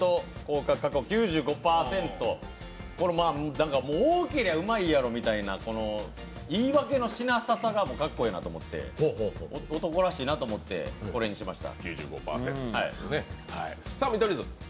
なかもう多ければうまいやろみたいな言いわけのしなささがかっこいいと思って男らしいなと思って、これにしました。